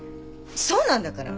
そうなんだから。